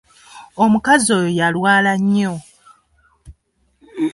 Omukazi oyo yalwala nnyo.